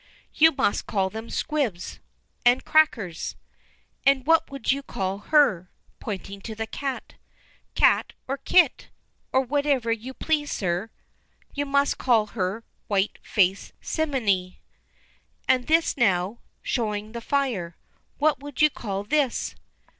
"You must call them 'squibs and crackers.' And what would you call her?" pointing to the cat. "Cat or kit, or whatever you please, sir." "You must call her 'white faced simminy.' And this, now," showing the fire, "what would you call this?"